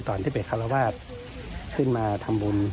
ตอนที่ไปคารวาสขึ้นมาทำบุญ